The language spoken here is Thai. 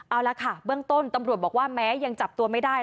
เอาละค่ะเบื้องต้นตำรวจบอกว่าแม้ยังจับตัวไม่ได้